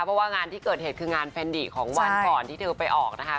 เพราะว่างานที่เกิดเหตุคืองานแฟนดิของวันก่อนที่เธอไปออกนะคะ